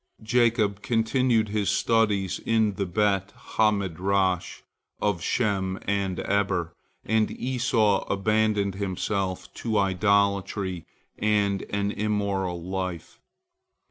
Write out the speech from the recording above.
Jacob continued his studies in the Bet ha Midrash of Shem and Eber, and Esau abandoned himself to idolatry and an immoral life.